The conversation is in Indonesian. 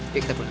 yuk kita pulang